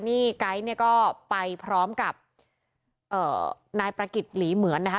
นี่ไก๊เนี่ยก็ไปพร้อมกับนายประกิจหลีเหมือนนะคะ